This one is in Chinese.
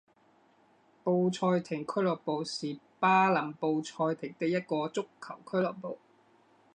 布赛廷俱乐部是巴林布赛廷的一个足球俱乐部。